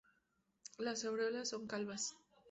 Las areolas son calvas.